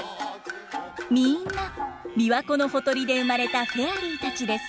みんな琵琶湖のほとりで生まれたフェアリーたちです。